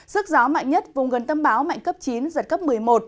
sức gió mạnh nhất vùng gần tâm bão mạnh cấp chín giật cấp một mươi một